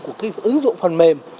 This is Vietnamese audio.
của cái ứng dụng phần mềm